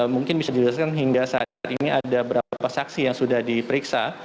mungkin bisa dijelaskan hingga saat ini ada berapa saksi yang sudah diperiksa